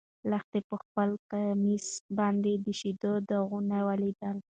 لښتې په خپل کمیس باندې د شيدو داغونه ولیدل.